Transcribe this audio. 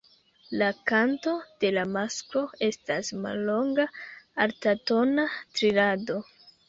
La kanto de la masklo estas mallonga altatona trilado.